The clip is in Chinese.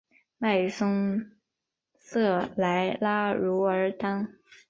迈松瑟莱拉茹尔当。